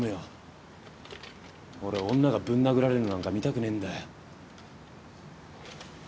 俺女がぶん殴られるのなんか見たくねえんだよ。